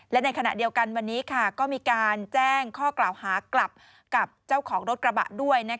และในขณะเดียวกันวันนี้ก็มีการแจ้งข้อกล่าวหากลับกับเจ้าของรถกระบะด้วย